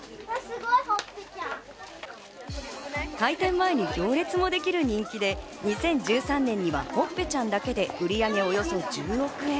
開店前に行列もできる人気で、２０１３年にはほっぺちゃんだけで売り上げは、およそ１０億円。